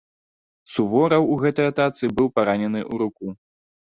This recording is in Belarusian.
Сувораў у гэтай атацы быў паранены ў руку.